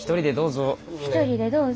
一人でどうぞ。